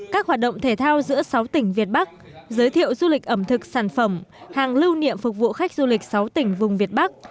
các hoạt động thể thao giữa sáu tỉnh việt bắc giới thiệu du lịch ẩm thực sản phẩm hàng lưu niệm phục vụ khách du lịch sáu tỉnh vùng việt bắc